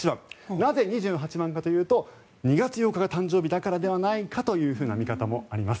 なぜ２８番かというと２月８日が誕生日だからではないかという見方もあります。